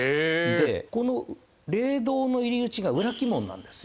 でこの霊道の入り口が裏鬼門なんですよ。